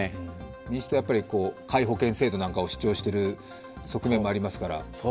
民主党は皆保険制度などを主張している側面もありますから。